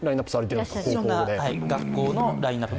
いろんな学校のラインナップ